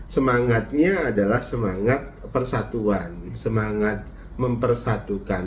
semangatnya adalah semangat persatuan semangat mempersatukan